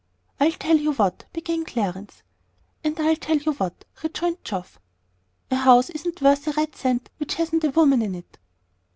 "I'll tell you what!" began Clarence. "And I'll tell you what!" rejoined Geoff. "A house isn't worth a red cent which hasn't a woman in it."